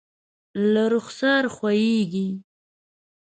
له رخسار ښویېږي